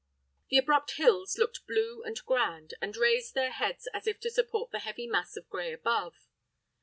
The abrupt hills looked blue and grand, and raised their heads as if to support the heavy mass of gray above.